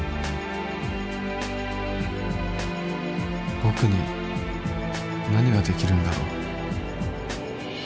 僕に何ができるんだろう？